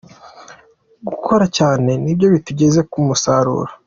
Gukora cyane nibyo bitugeza ku musaruro”.